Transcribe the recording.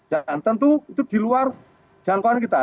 dan tentu itu diluar jangkauan kita